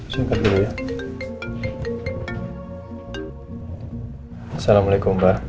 jadi sama rotha